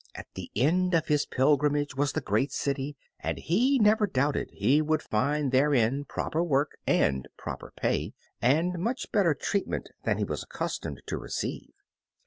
At the end of his pilgrimage was the great city, and he never doubted he would find therein proper work and proper pay, and much better treatment than he was accustomed to receive.